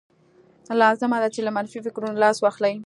لازمه ده چې له منفي فکرونو لاس واخلئ.